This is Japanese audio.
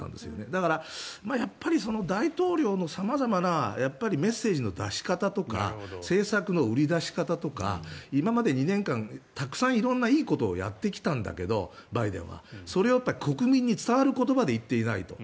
だからやっぱり大統領の様々なメッセージの出し方とか政策の売り出し方とか今まで２年間バイデンはたくさん色んないいことをやってきたんだけどそれを国民に伝わる言葉で言っていないと。